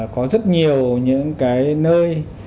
có rất nhiều những cái nơi